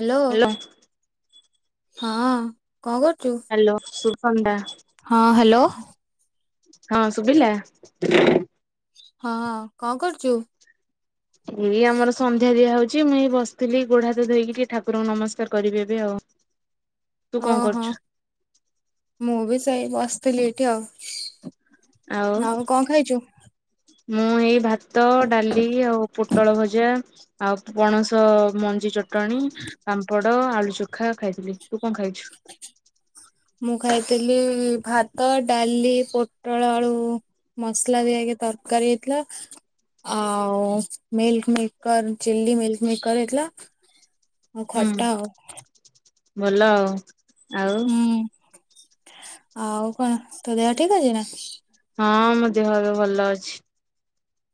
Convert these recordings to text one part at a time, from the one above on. Hello. Hello ହଁ କଣ କରୁଚୁ। ହାଲୋ ଶୁଭ [unintelligible] ହଁ ହାଲୋ। ହଁ ଶୁଭିଲା। ହଁ କଣ କରୁଚୁ। ଏଇ ଆମର ସନ୍ଧ୍ୟା ଦିଆ ହଉଛି ମୁଁ ଏଇ ବସିଥିଲି ଗୋଡ ହାତ ଧୋଇକି ଟିକେ ଠାକୁରଙ୍କୁ ନମସ୍କାର କରିବି ଏବେ ଆଉ। [inaudible] ତୁ କଣ ଓହୋ କରୁଛୁ? ମୁଁ ବି ସେଇ ବସିଥିଲି ଏଇଠି ଆଉ। ଆଉ କଣ ଖାଇଛୁ? ମୁଁ ଏଇ ଭାତ ଡାଲି ଆଉ ପୋଟଳ ଭଜା ଆଉ ପଣସ ମଞ୍ଜି ଚଟଣି ପାମ୍ପଡ ଆଳୁ ଚୋଖା ଖାଇଥିଲି ତୁ କଁ ଖାଇଛୁ। ମୁଁ ଖାଇଥିଲି ଭାତ ଡାଲି ପୋଟଳ ଆଳୁ ମସଲା ଦିଆ ହେଇକି ତରକାରୀ ହେଇଥିଲା। ଆଉ ମିଲ୍କ ମିକର ଚିଲ୍ଲି ମିଲ୍କ ମିକର ହେଇଥିଲା। ହୁଁ ଖଟା ଆଉ। ଭଲ ଆଉ ଆଉ ହୁଁ। ଆଉ କଣ ତୋ ଦେହ ଠିକ୍ ଅଛି ନା। ହଁ ମୋ ଦେହ ହାତ ଭଲ ଅଛି।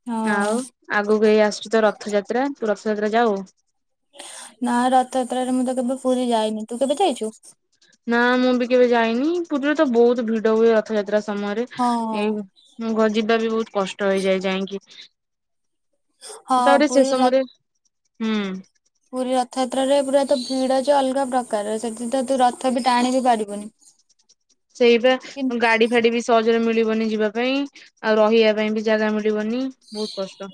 ହଁ ଆଉ ଆଗକୁ ଏଇ ଆସୁଚି ତ ରଥଯାତ୍ରା ତୁ ରଥଯାତ୍ରା ଯାଉ। ନା ରଥଯାତ୍ରାରେ ମୁଁ ତ କେବେ ପୁରୀ ଯାଇନି ତୁ କେବେ ଯାଇଚୁ। ନା ମୁଁ ବି କେବେ ଯାଇନି ପୁରୀରେ ତ ବହୁତ ଭିଡ ହୁଏ ରଥଯାତ୍ରା ସମୟରେ ହଁ ହଁ ଏଇ ମୁଁ ଗଜି [unintelligible] ବହୁତ କଷ୍ଟ ହେଇଯାଏ ଯାଇକି। ହଁ ତାପରେ ସେ ପୁରୀ ର ସମୟରେ ହୁଁ ପୁରୀ ରଥଯାତ୍ରାରେ ପୁରା ତ ଭିଡ ଯେ ଅଲଗା ପ୍ରକାର ସେଠି ତ ତୁ ରଥ ବି ଟାଣି ବି ପାରିବୁନି। [inaudible] ସେଇ ବା କିନ୍ ଗାଡି ଫାଡି ବି ସହଜରେ ମିଳିବନି ଯିବା ପାଇଁ ଆଉ ରହିବା ପାଇଁ ବି ଜାଗା ମିଳିବନି ବହୁତ କଷ୍ଟ।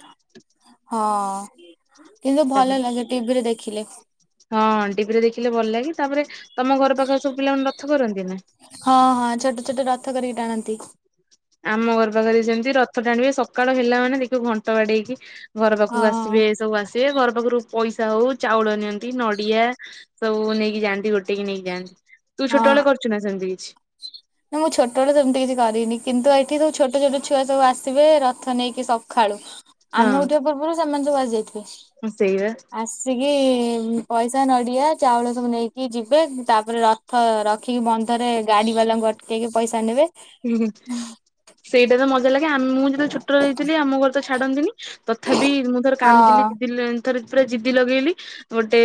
ହଁ କିନ୍ତୁ ଭଲ ତାପରେ ଲାଗେ ଟିଭିରେ ଦେଖିଲେ। ହଁ ଟିଭିରେ ଦେଖିଲେ ଭଲ ଲାଗେ ତାପରେ ତମ ଘର ପାଖରେ ସବୁ ପିଲା ମାନେ ରଥ କରନ୍ତିନା। ହଁ ହଁ ଛୋଟ ଛୋଟ ରଥ କରିକି ଟାଣନ୍ତି। ଆମ ଘର ପାଖରେ ବି ସେମିତି ରଥ ଟାଣିବେ ସକାଳ ହେଲା ମାନେ ଦେଖିବ ଘଣ୍ଟ ବାଡେଇକି ଘର ହଁ ପାଖକୁ ଆସିବେ ସବୁ ଆସିବେ ଘର ପାଖରୁ ପଇସା ହଉ ଚାଉଳ ନିଅନ୍ତି ନଡିଆ ସବୁ ନେଇକି ଯାଆନ୍ତି ଗୋଟେଇକି ନେଇକି ଯାଆନ୍ତି ତୁ ହଁ। ଛୋଟବେେଳେ କରିଛୁ ନା ସେମିତି କିଛି। ନା ମୁଁ ଛୋଟବେଳୁ ତ ସେମିତି କିଛି କରିନି କିନ୍ତୁ ଏଇଠି ସବୁ ଛୋଟ ଛୋଟ ଛୁଆ ସବୁ ଆସିବେ ରଥ ନେଇକି ସଖାଳୁ। ଆମେ ଉଠିବା ପୂର୍ବରୁ ସେମାନେ ସବୁ ଆସିଯାଇଥିବେ। ହୁଁ ସେଇଆ। ଆସିକି ପଇସା ନଡିଆ ଚାଉଳ ସବୁ ନେଇକି ଯିବେ ତାପରେ ର ରଖିକି ବନ୍ଧରେ ଗାଡି ବାଲାଙ୍କୁ ଅଟକେଇକି ପଇସା ନେବେ। ହୁଁ ହୁଁ ସେଇଟା ତ ମଜା ଲାଗେ ଆମେ ମୁଁ ଯେତେବେଳେ ଛୋଟର ହେଇଥିଲି ଆମ ଘର ତ ଛାଡନ୍ତିନି ତଥାପି ମୁଁ ଥରେ ହଁ କାନ୍ଦିଲି [unintelligible] ଥରେ ପୁରା ଜିଦି ଲଗେଇଲି। ଗୋଟେ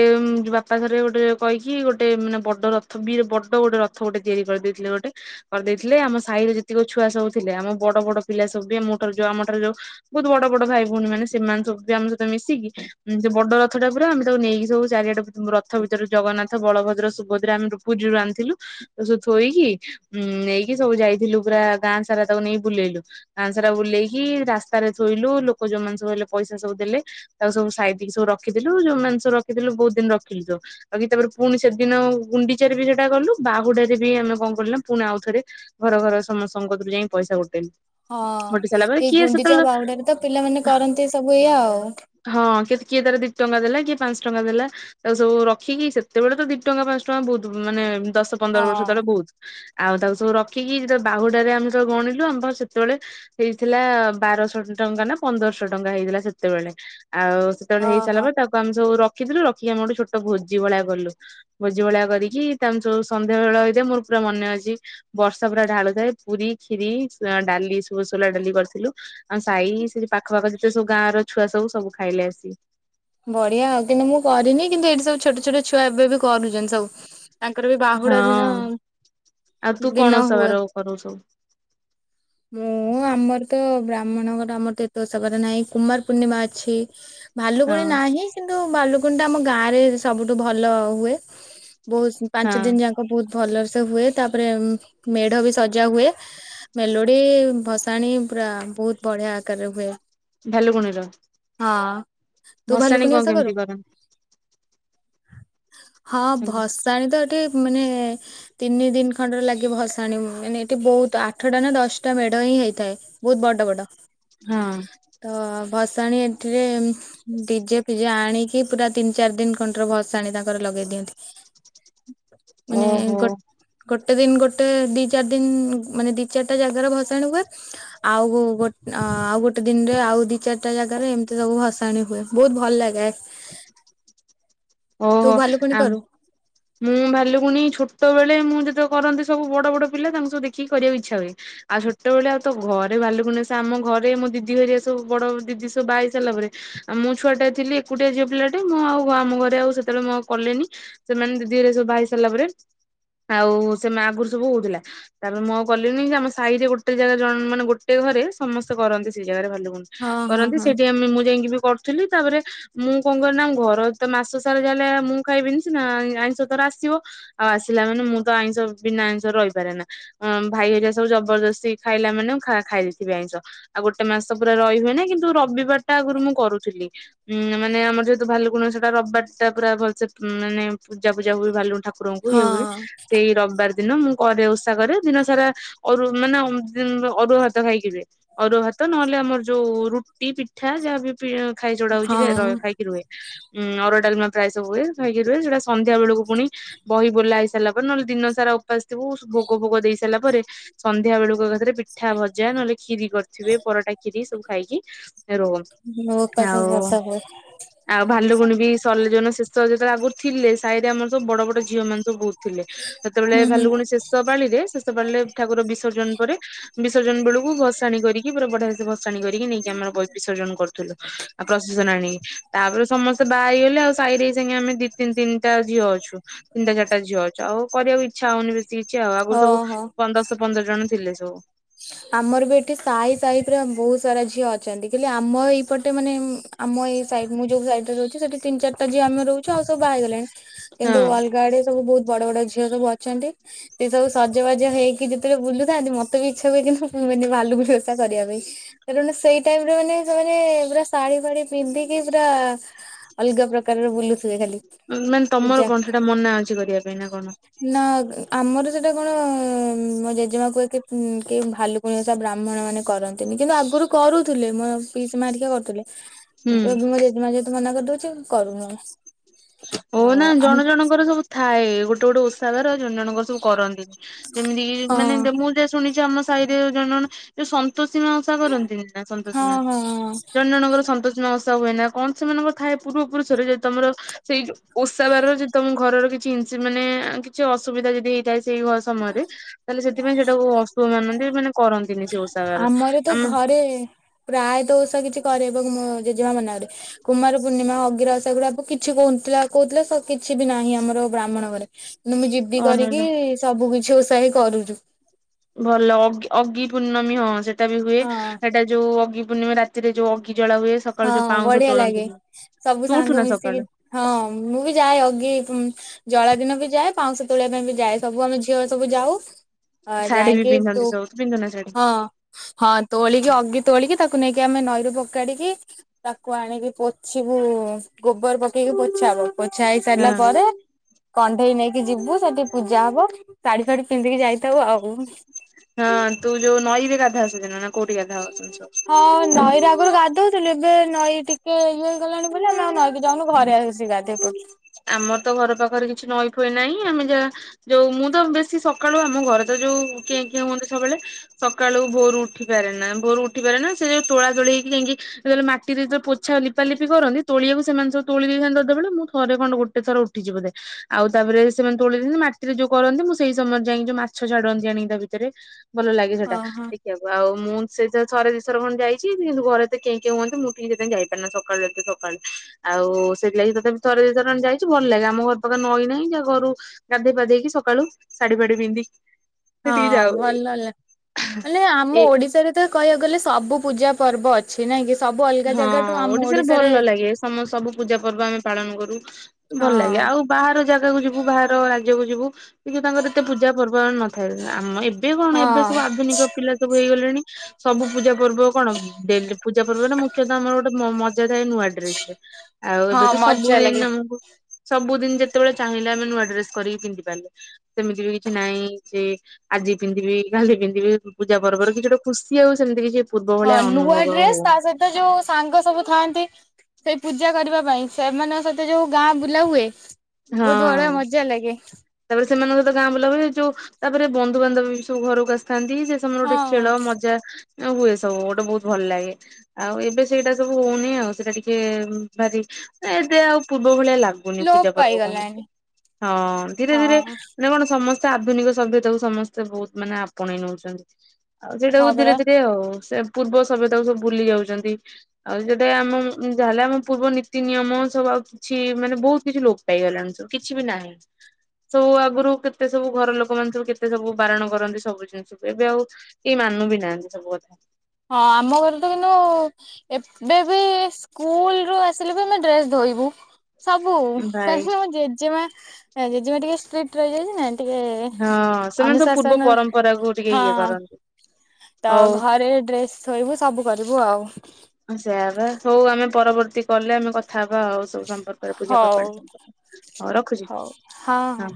ବାପା ଘରେ ଗୋଟେ କହିକି ଗୋଟେ ମାନେ ବଡ ରଥ ବି ବଡ ଗୋଟେ ରଥ। ରଥ ଗୋଟେ ତିଆରି କରିଦେଇଥିଲେ ଗୋଟେ କରିଦେଇଥିଲେ ଆମ। ସାାଇରେ ଯେତିକି ଛୁଆ ସବୁ ଥିଲେ ଆମ ବଡ ବଡ ପିଲା ସବୁ ବି ଆମଠାରୁ ଯୋଉ ଆମଠାରୁ ଯୋଉ। ବହୁତ ବଡ ବଡ ଭାଇ ଭଉଣୀ ମାନେ ସେମାନେ ସବୁ ବି ଆମ ସହିତ ମିଶିକି। ବଡ ରଥ ଟା ପୁରା ଆମେ ତାକୁ ନେଇକି ସବୁ ଚାରିଆଟେ ରଥ ଭିତରେ ଜଗନ୍ନାଥ ବଳଭଦ୍ର ସୁଭଦ୍ରା ଆମେ - ପୁରୀରୁ ‌ ଆଣିଥିଲୁ ତ ସବୁ ଥୋଇକି ନେଇକି ସବୁ ଯାଇ। ଥିଲୁ ପୁରା ଗାଁ ସାରା ତାକୁ ନେଇ ବୁଲେଇଲୁ। ଗାଁ ସାରା ବୁଲେଇକି ରାସ୍ତାରେ ଥୋଇଲୁ ଲୋକ ଯୋଉମାନେ ସବୁ ହେଲେ ପଇସା ସବୁ ଦେଲେ। ତାକୁ ସବୁ ସାଇତିକି ସବୁ ରଖିଥିଲୁ ଯୋଉ ମାନେ ସବୁ ରଖିଥିଲୁ ବହୁତ ଦିନ ରଖିଲୁ ଯୋଉ ଆଉ କି ତାପରେ ପୁଣି ସେଦିନ ଗୁଣ୍ଡିଚାର ବି ସେଟା କଲୁ। ବାହୁଡାରେ ବି ଆମେ କଣ କଲୁ ନା ପୁଣି ଆଉଥରେ ଘର ଘର ସମସ୍ତଙ୍କ ପାଖକୁ ଯାଇକି ପଇସା ଗୋଟେଇଳୁ। ହଁ ଏଇ ଗୁଣ୍ଡିଚା ବାହୁଡାରେ ତ ପିଲାମାନେ କରନ୍ତି ସବୁ ଏଇଆ ଆଉ। ହଁ କି କିଏ ତାର ଦି ଟଙ୍କା ଦେଲା କିଏ ପାଞ୍ଚ ଟଙ୍କା ଦେଲା‌ ତା ସବୁ ରଖିକି ସେତେବେଳେ ତ ଦି ଟଙ୍କା ପାଞ୍ଚ ଟଙ୍କା ବହୁତ ମାନେ ଦଶ। ପନ୍ଦର ବର୍ଷ ହଁ। ତଳେ ବହୁତ ଆଉ ତାକୁ ସବୁ ରଖିକି ଯେ ବାହୁଡାରେ ଆମେ ସବୁ ଗଣିଲୁ ଆମ ସେତେବେଳେ ପ - ହେଇଥିଲା ବାରଶହ ଟଙ୍କା ନା ପନ୍ଦରଶହ ଟଙ୍କା ହେଇଥିଲା ସେତେବେଳେ ଆଉ। ସେତେବେଳେ ହେଇ ଓହୋ ସାରିଲ ପରେ ତାକୁ ଆମ ସବୁ ରଖିଥିଲୁ ରଖି ଆମେ ଗୋଟେ ଛୋଟ ଭୋଜି ଭଳିଆ କଲୁ। ଭୋଜି ଭଳିଆ କରିକି ତମେ ‌ସବୁ‌ ସନ୍ଧ୍ୟା ବେଳ ହେଇଯାଏ ମୋର ପୁରା ମନେ ଅଛି। ବର୍ଷା ପୁରା ଢାଳୁଥାଏ ପୁରୀ କ୍ଷୀରି ଡାଲି ସବୁ ସୁଲା ଡାଲି କରିଥିଲୁ ଆଉ ସାଇ ସେ- ପାଖପାଖ ଯେତେ ସବୁ ଗାଁ ର ଛୁଆ ସବୁ ସବୁ ଖାଇଲେ ଆସି କି ବଢିଆ ଆଉ କିନ୍ତୁ ମୁଁ କରିନି କିନ୍ତୁ ଏଇଠି ସବୁ ଛୋଟ ଛୋଟ ଛୁଆ ଏବେ ବି କରୁଛନ୍ତି ସବୁ। ତାଙ୍କର ବି ବାହୁଡା ଦିନ ହଁ। ଆଉ ତୁ କଣ ଦିନ ହୁଏ। ଓଷାବାର କରୁ ସବୁ ମୁଁ ହଁ ଆମର ତ ବ୍ରାହ୍ମଣ ଘର ଆମର ଏତେ ଓଷା ବାର ନାହିଁ କୁମାର ପୂର୍ଣ୍ଣିମା ଅଛି ଭାଲୁ। ହଁ ନାଁହି କିନ୍ତୁ ବାଲୁକୁଣ୍ଠା ଆମ ଗାଁ ରେ ସବୁଠୁ ଭଲ ହୁଏ ବହୁତ ପାଞ୍ଚ ହଁ ଦିନ ଯାକ। ବହୁତ ଭଲ ସେ ହୁଏ ତାପରେ ମେଢ ବି ସଜା ହୁଏ। ମେଲୋଡି ଭସାଣି ପୁରା ବହୁତ ବଢିଆ ଆକାରରେ ହୁଏ। ଭାଲୁଗୁଣିର ହଁ ତୁ ଭସାଣି ଭାଲୁକୁଣୀ ଓଷା କଣ କରୁ କେମିତି କର? ହଁ ଭସାଣୀ ତ ଏଠି ମାନେ। ତିନି ଦିନ ଖଣ୍ଡରେ ଲାଗି ଭସାଣି ମାନେ ଏଠି ବହୁତ ଆଠଟା ନା ଦଶଟା ମେଢ ହିଁ ହେଇଥାଏ। ବହୁତ ବଡ ବଡ। ହଁ। ତ ଭସାଣି ଏଟରେ। ଡିଜେ ଫିଜେ ଆଣିକି ପୁରା ତିନି ଚାରି ଦିନ କଣ୍ଟର ଭସାଣି ତାଙ୍କର ଲଗେଇ ଦିଅନ୍ତି। ମାନେ ଓହୋ ଗୋଟେ ଗୋଟେ ଦିନ ଗୋଟେ ଦି ଚାରି ଦିନ ମାନେ ଦି ଚାରିଟା ଜାଗାରେ ଭସାଣି ହୁଏ। ଆଉ ଗୋ ଆଉ ଗୋଟେ ଦିନରେ ଆଉ ଦି ଚାରିଟା ଜାଗାରେ ଏମିତି ସବୁ ଭସା- ଭସାଣି ହୁଏ ବହୁତ ଭଲ ଲାଗେ। ଓହୋ ତୁ ଭାଲୁକୁଣୀ ଆମ- କରୁ ମୁଁ ଭାଲୁକୁୁନି ଛୋଟବେେଳେ ମୁଁ ଯେତେବେଳେ କରନ୍ତି ସବୁ ବଡ ବଡ ପିଲା ତାଙ୍କୁ ସବୁ ଦେଖିକି କରିବାକୁ ଇଚ୍ଛା ହୁଏ ଆଉ ଛୋଟବେଳେ ଆଉ ତ ଘରେ ଭାଲୁକୁନି ଓଷା ଆମ ଘରେ ମୋ ଦିଦି ହେରିକା ସବୁ ବଡ ଦିଦି ସବୁ ବାହା ହେଇ ସାରିଲାପରେ ଆଉ ମୁଁ ଛୁଆଟା ଥିଲି ଏକୁଟିଆ ଯିଅ ପିଲାଟେ ମୁଁ ଆଉ ଆମ ଘର- ଆଉ ସେତେବେଳେ ମୁ ଆଉ କଲିନି ସେମାନ ଦିଦି ଘରିକା ସବୁ ବାହା ହେଇ ସାରିଲା ପରେ ଆଉ ସେ ମା ଆଗରୁ ସବୁ ହଉଥିଲା ତାପରେ ମୁଁ ଆଉ କଲିଣିି ଯେ ଆମ ସାହି ରେ ଗୋଟେ ଜାଗା ଜଣ ମାନେ ଗୋଟେ ଘରେ ସମସ୍ତେ କରନ୍ତି ସେଇ ଜାଗାରେ ଭକୁକୁଣି ହଁ ହଁ କରନ୍ତି ହଁ। ସେଠି ଆମେ ମୁଁ ଯାଇକି ବି କରୁଥିଲି ତାପରେ ମୁଁ କଣ କରେନା ଘର ତ ମାସ [unintelligible] ମୁଁ ଖାଇବିନି ସିନା ନା ଆଇଁଷ ତାର ଆସିବ ଆଉ ଆସିଲା ମାନେ ମୁଁ ତ ଆଇଁଷ ବିନା ଆଇଁଷ ରହିପାରେ ନା ହଁ- ଭାଇ ହେରିଆ ସବୁ ଜବରଦସ୍ତି ଖାଇଲା ମାନେ ମୁଁ ଖା-ଦେଇଥିବେ ଆଇଁଷ। ଆଉ ଗୋଟେ ମାସ ପୁରା ରହି ହୁଏନି କିନ୍ତୁ ରବିବାର ଟା ଆଗରୁ ମୁଁ କରୁଥିଲି। ହୁଁ- ମାନେ ଆମର ଯେହେତୁ ଭାଲୁକୁଣି ଓଷାଟା ରବିବାର୍ ଷା ପୁରା ଭଲସେ ମାନେ ପୂଜା ଫୂଜା ହୁଏ ଭାଲୁକୁଣି ଠାକୁରଙ୍କୁ ଇଏ ହୁଏ ହଁ। ସେଇ ରବିବାର୍ ଦିନ ମୁଁ କରେ ଉଷା କରେ ଦିନ ସାରା ଅରୁ- ମାନେ ଅ ଉଁ -ଅରୁଆ ଭାତ ଖାଇକିି ଯିବେ ଅରୁଆ ଭାତ ନହେଲେ ଆମର ଯଉ ରୁଟି ପିଠା ଯାହାବି ଖାଇ ଚଡା ହଉଚି ହଁ ର-ଖାଇକି ରୁହେ ଉଁ- ଅରୁଆ ଡାଲ୍ମା ପ୍ରାୟ ସବୁହୁଏ ଖାଇକି ରୁହେ ସେଟା ସନ୍ଧ୍ୟା ବେଳକୁ ପୁଣି ବହି ବୁଲା ହେଇସାରିଲା ପରେ ନହେଲେ ଦିନ ସାରା ଉ ଆସିଥିବୁ ସୁ -ଭୋଗ ଫୋଗ ଦେଇ ସାରିଲା ପରେ ସନ୍ଧ୍ୟା ବେଳୁ ଏକାଥରେ ପିଠା ଭଜା ନହେଲେ କ୍ଷୀରି କରିଥିବେ ପରଟା କ୍ଷୀରି ସବୁ ଖାଇକି ରହୁ ମୋ ବାପା କୁ ଆଉ ବର୍ଷା ହୁଏ। ଆଉ ଭାଲୁକୁଣୀ ବି ସଲେ ଯଉଦିନ ଶେଷ ଯେତେବେଳେ ଆଗରୁ ଥିଲେ ସାହି ରେ ଆମର ସବ ବଡ ବଡ ଝିଅ ମାନେ ସବୁ ବହୁତ୍ ଥିଲେ ସେତେବେଳେ ହୁଁ ହୁଁ ଭାଲୁକୁଣି ଶେଷ ପାଳିରେ ଶେଷ ପାଳିରେ ଠାକୁର ବିସର୍ଜନ ପରେ ବିସର୍ଜନ ବେଳକୁ ଭସାଣି କରିକି ପୁରା ବଢିଆ ସେ ଭସାଣି କରିକି ନେଇକି ଆମର ବ- ବିସର୍ଜନ କରୁଥୁଲୁ। ଆଉ ପ୍ରଶେସନ ଆଣିକି ତାପରେ ସମସ୍ତେ ବାହା ହେଇଗଲେ ଆଉ ସାଇ ରେ ଏଇଜାଙ୍ଗେ ଆମ ଦି ତିନ୍ -ତିନିଟା ଝିଅ ଅଛୁ ତିନିଟା ଚାରିଟା ଝିଅ ଅଛୁ ଆଉ କରିବାକୁ ଇଚ୍ଛା ହଉନି ବେ ଚିଚ ଆଉ ଆଗରୁ ସବୁ ଓହୋ। ପନ୍ଦ-ଦଶ ପନ୍ଦର ଜଣ ଥିଲେ ସବୁ। ଆମର ବି ଏଠି ସାହି ସାହି ପୁରା ବହୁତ୍ ସାରା ଝିଅ ଅଛନ୍ତି କିନ୍ତୁ ଆମ ଏଇପଟେ ମାନେ ଆମ ଏଇ ସାଇଡ୍ ମୁଁ ଯଉ ସାଇଡ୍ ରେ ରହୁଚି ସେଠି ତିିନ୍ ଚାରିଟା ଝିଅ ଆମେ ରହୁଚୁ ଆଉ ସବୁ ବାହା ହେଇଗଲେଣି। କିନ୍ତୁ ହଁ ଅଲଗା ଆଡେ ସବୁ ବହୁତ୍ ବଡ ବଡ ଝିଅ ସବୁ ଅ ଅଛନ୍ତି ସେ ସବୁ ସଜବାଜ ହେଇକି ଯେତେବେଳେ ବୁଲୁଥାନ୍ତି ମତେ ବି ଇଚ୍ଛା ହୁଏ ମାନେ ଭାଲୁକୁଣି ଓଷା କରିବା ପାଇଁ। କାରଣ ସେଇ ଟାଇମ୍ ରେ ମାନେ ସେମାନେ ପୁରା ଶାଢୀ ଫାଢୀ ପିନ୍ଧିକି ପୁରା ଅଲଗା ପ୍ରକାରର ବୁଲୁ ମାନେ ତମର କଣ୍ ସେଟା ମନା ଅଛି କରିବା ପାଇଁ ନା କଣ? ନା ଆମର ସେଟା କଣ ମ ଜେଜେମା କୁହେ କି ଭାଲୁ କୁଣି ଓଷା ବ୍ରାହ୍ମଣ ମାନେ କରନ୍ତିନି କିନ୍ତୁ ଆଗରୁ କରୁଥିଲେ ମୋ ପିଇସି ମା ହେରିକା କରୁଥିଲେ। [unintelligible] ହୁଁ। ମତେ ତ ଜେଜେମା ଯେହେତୁ ମନା କରିଦଉଚି କରୁନି ମୁଁ ଆଉ। ଓ ନା ଜଣ ଜଣଙ୍କର ସବୁ ଥାଏ ଗୋଟେ ଗୋଟେ ଓଷ୍ ଉଷା ବାର ଜଣ ଜଣଙ୍କ ସବୁ କରନ୍ତି ଯେମିତି କିି ହଁ ମାନେ [unintelligible] ମୁଁ ଶୁଣିଚି ଆମ ସାହି ରେ ଜଣେ ଜଣ ସେ ସନ୍ତୋଷୀ ମା ଓଷା କରନ୍ତିନି ନା ହଁ ସନ୍ତୋଷୀ ମା? ହଁ ହଁ ଜଣେ ଜଣଙ୍କର ସନ୍ତୋଷୀ ମା ଓଷା ହୁଏନା କଣ ସେମାନଙ୍କର ଥାଏ ପୂର୍ବ ପୁରୁଷରେ ଯେ ତମର ସେଇ ଯଉ ଓଷା ବାରର ଯଦି ତମ ଘରର କିଛି ଇନ୍ସି- ମାନେ କିଛି ଅସୁବିଧା ଯଦି ହେଇଥାଏ ସେଇ ଘ ସମୟରେ ତାହେଲେ ସେଥିପାଇଁ ସେଟାକୁ ଅଶୁଭ ମାନନ୍ତି ମାନେ କରନ୍ତିନି ସେ ଓଷା ବାର ଆମ [inaudible] ପ୍ରାୟତ ଓଷା କିଛି କରେ ମୋ ଜେଜେମା ମନା କରେ। କୁମାର ପୂର୍ଣ୍ଣିମା ଅଗିରା ଓଷା ସେଗୁଡାକ କିଛି କହୁଥିଲା -କହୁଥିଲା କିଛି ବି ନାହିଁ ଆମର ବ୍ରାହ୍ମଣ ଘରେ। ମୁଁ ଜିଦି ଅ ନ କରିକି ସବୁ କିଛି ଓଷା ହି କରୁଚୁ ଭଲ ଅ -ଅଗି ପୂର୍ଣ୍ଣମୀ ହଁ ସେ ବି ହୁଏ ହଁ। ସେଇଟା ଯୋଉ ଅଗି ପୂର୍ଣ୍ଣିମା ରାତିରେ ଯୋଉ ଅଗି ଜଳା ହୁଏ ହଁ ସକାଳୁ ଯୋଉ ପାଉଁଶ ବଢିଆ ଲାଗେ ତୋଳନ୍ତି। ସବୁ ତୁ ଉଠୁ ସାଙ୍ଗ ନା ମିଶିକି ସକାଳୁ ହଁ ମୁଁ ବି ଯାଏ ଅଗି ଜଳା ଦିନ ବି ଯାଏ ପାଉଁଶ ତୋଳିବା ପାଇଁ ବି ଯାଏ ସବୁ ଆମେ ଝିଅ ସବୁ ଯାଉ ଅ- ଶାଢୀ ବି ଯାଇଁକି ପିନ୍ଧନ୍ତି ତୁ- ସବୁ ପିନ୍ଧୁ ନା ଶାଢୀ ହଁ। ହଁ ତୋଳିକି ଅଗି ତୋଳିକି ତାକୁ ନେଇକି ଆମେ ନଈରୁ ପକାଡିକି ତାକୁ ଆଣିକି ପୋଛିବୁ ଗୋବର ପକେଇକି ପୋଛହବ। ପୋଛା ହେଇ ହଁ। ସାରିଲା ପରେ କଣ୍ଢେଇ ନେଇକି ଯିବୁ ସେଠି ପୂଜା ହବ ଶାଢୀ ଶାଢୀ ପିନ୍ଧିକି ଯାଇଥାଉୁ ଆଉ। ହଁ ତୁ ଯଉ ନଈରେ ଗାଧାଅ ସେଦିନ ନା କଉଠି ଗାଧାଅ ସେମାନେ ସବୁ? ହଁ ନଈରେ ଆଗୁରୁ ଗାଧଉଥିଲି ଏବେ ନଈ ଟିକେ ଇଏ ହେଇଗଲାଣି ବୁଲି ନା ଆଉ ନଈକି ଯାଉନୁ ଘରେ ଆସି ଗା [unintelligible] ଆମର ତ ଘର ପାଖରେ କିଛି ନଈ ହୁଏ ନାହିଁ ଆମେ ଯାହା ଯୋଉ ମୁଁ ତ ବେଶୀ ସକାଳୁ ଆମ ଘରେ ତ ଯୋଉ କିଏ କିଏ ହୁଅନ୍ତି ସବୁବେଳେ। ସକାଳୁ ଭୋରୁ ଉଠିପାରେ ନା ଭୋରୁ ଉଠି ପାରେ ନା ସେ ଯଉ ତୋଳା ତୋଳି ହେଇକି ଯାଇକି ଯେତେବେଳେ ମାଟିରେ ତ ପୋଛା ଲିପାଲିପି କରନ୍ତି ତୋଳିକୁ ସେମାନେ ସବୁ ତୋଳି ଦେଇଥାନ୍ତି ସେତେବେଳେ ମୁଁ ଥରେ ଣ୍ଡ ଗୋଟେ ଥର ଉଠିିଚି ବୋଧେ। ଆଉ ତାପରେ ସେମାନେ ତୋଳି ଦେଇନ୍ତି ମାଟିରେ ଯୋଉ କରନ୍ତି ମୁଁ ସେଇ ସମୟରେ ଯାଇକି ଯୋଉ ମାଛ ଛାଡନ୍ତି ଆଣିକି ତା ଭିତରେ ଭଲ ଲାଗେ ସେଟା ଓହୋ ଏ ଖିବାକୁ ଆଉ ମୁଁ ସେ ଥରେ ଦିଶଥର ଭଳି ଯାଇଛି କିନ୍ତୁ ଘରେ ତ କେ କେ ହୁଅନ୍ତି ମୁଁ ଟିକି ସେତେଇ ଯାଇ ପାରେନା ସକାଳୁ ଏତେ ସ କାଳୁ ଆଉ ସେଥିଲାଗି ତତେ ଥରେ ଦି ଥର ଯାଇଛୁ ଭଲ ଲାଗେ ଆମ ଘର ପାଖରେ ନଈନାହିଁ ଯାହା ଘରୁ ଗାଧୋଇ ପାଧେଇକି ସକାଳୁ ଶାଢୀ ବାଡି ପିନ୍ଧି ହଁ ଭଲ ଲ ମାନେ ଆମ ଏ ଓଡିଶାରେ ତ କହିବାକୁ ଗଲେ ସବୁ ପୂଜା ପର୍ବ ଅ ଅଛି ନାଇଁ କିି ସବୁ ଅ ହଁ ଓଡିଶାରେ ଭଲ ଲାଗେ ସମ ସବୁ ପୂଜା ପର୍ବ ଆମେ ପାଳନ କରୁ ଭଲ ହଁ ଲାଗେ ଆଉ ବାହାର ଜାଗାକୁ ଯିବୁ ବାହାର ରାଜ୍ୟକୁୁ ଯିବୁ। କି ତାଙ୍କର ଏତେ ପୂଜା ପର୍ବ ନଥାଏ ଆମ ଏବେ କଣ ହଁ ଏବେ ସବୁ ଆଧୁନିକ ପିଲା ସବୁ ହେଇ ଗଲେଣି। ସବୁ ପୂଜା ପର୍ବ କଣଡେ ପୂଜା ପର୍ବ ନା ମୁଁ ଆମର ଗୋଟେ ମ-ମଜା ଥାଏ ନୂଆ ଡ୍ରେସ ରେ ଆଉ ହଁ ଏବେ ତ ସବୁ ମଜା ଦିନ ଲାଗେ ସବୁଦିନ ଯେତେବେଳେ ଚାହିଁଲେ ଆମେ ନୂଆ ଡ୍ରେସ କରିକି ପିନ୍ଧି ପାରିଲେ। ସେମିତି ବି କିଛି ନାହିଁ ଯେ ଆଜି ପିନ୍ଧିବି କାଲି ପିନ୍ଧିବି ପୂଜା ପର୍ବରେ କିଛି ଗୋଟେ ଖୁସି ଆଉ ସେମିତି କିଛି ପୂର୍ବ ହଁ ଭଳିଆ ନୂଆ ଅନୁଭବ ଡ୍ରେସ୍ ହଉ ତା ସହିତ ଯୋଉ ସାଙ୍ଗ ସବୁ ଥାଆନ୍ତି। ସେଇ ପୂଜା କରିବା ପାଇଁ ସେମାନଙ୍କ ସହିତ ଯୋଉ ଗାଁ ବୁଲା ହୁଏ। ବହୁତ ବଢିଆ ହଁ। ମଜା ଲାଗେ ତାପରେ ସେମାନଙ୍କ ସହିତ ଗାଁ ବୁଲା ଭବେ ଯୋଉ ତାପରେ ବନ୍ଧୁବାନ୍ଧବ ସବୁ ଘରକୁ ଆସିଥାନ୍ତି ଯେ ସମର ଗୋଟେ ହଁ ଖେଳ ମଜା ହୁଏ ସବୁ ଗୋଟେ ବହୁତ ଭଲ ଲାଗେ। ଆଉ ଏବେ ସେଇଟା ସବୁ ହଉନି ଆଉ ସେଇଟା ଟିକେ ଭାରି ଏବେ ଆଉ ପୂର୍ବ ଭଳିଆ ଲାଗୁ ଗୁନି ଲୋପ ପୂଜା ପର୍ବ କଣ ପାଇଗଲାଣି ହଁ ଧୀରେ ଧୀରେ ହଁ ମାନ କଣ ସମସ୍ତେ ଆଧୁନିକ ସଭ୍ୟତାକୁ ସମସ୍ତେ ବହୁତ ମାନେ ଆପଣେଇ ନଉଛନ୍ତି। ଆଉ ହଁ ସେଇଟାକୁୁ ଧୀରେ ପରା ଧୀରେ ଆଉ ସେ ପୂର୍ବ ସଭ୍ୟତାକୁ ସବୁ ବୁଲି ଯାଉଛନ୍ତି। ଆଉ ଯୋଟେ ଆମ ଯାହାହେଲେ ଆମ ପୂର୍ବ ନୀତି ନିୟମ ସବୁ ଆଉ କିଛି ମାନେ ବହୁତ କିଛି ଲୋପ ପାଇଗଲାଣି ସବୁ କିଛି ବି ନାହିଁ। ସବୁ ଆଗରୁ କେତେ ସବୁ ଘର ଲୋକମାନେ ସବୁ କେତେ ସବୁ ବାରଣ କରନ୍ତି ସବୁ ଜିନିଷକୁ ଏବେ ଆଉ ଏ ମାନୁ ବି ନାହାନ୍ତି ସବୁ କଥା। ହଁ ଆମ ଘରେ ତ କିନ୍ତୁ ଏବେ ବି ସ୍କୁଲୁ ଆସିଲେ ବି ଆମେ ଡ୍ରେସ ଧୋଇବୁ। ସବୁ ଭାଇ କାହିଁକି ଆମ ଜେଜେମା ଜେଜେମା ଟିକେ ଷ୍ଟ୍ରିଟ ରହିଯାଇଛି ନା। ଟିକେ ହଁ ସେମାନେ ସବୁ ପୂର୍ବ ଅନୁଶାସନ ପରମ୍ପରାକୁ ଟିକେ ହଁ। ଇଏ କରନ୍ତି। ତ ହଉ ଘରେ ଡ୍ରେସ୍ ଶୋଇବୁ ସବୁ କରିବୁ ଆଉ। ସେୟ ହଉ ଆମେ ପରବର୍ତ୍ତୀ କଲେ ଆମେ କଥା ହବା ଆଉ ସବୁ ସମ୍ପର୍କ ପୂଜା ହଉ ପର୍ବାଣି ସମ୍ପର୍କ ହଁ ରଖୁଛି ହଉ ହଁ ହଁ।